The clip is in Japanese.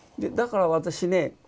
だから私ね